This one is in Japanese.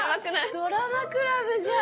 ドラマクラブじゃん。